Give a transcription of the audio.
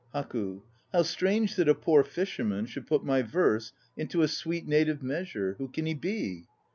HAKU. How strange that a poor fisherman should put my verse into a sweet native measure! Who can he be?